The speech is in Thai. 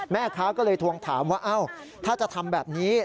แม่ค้าก็เลยทวงถามว่าถ้าจะทำแบบนี้